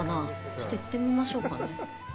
ちょっと行ってみましょうかね。